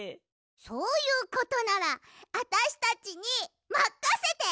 そういうことならあたしたちにまかせて！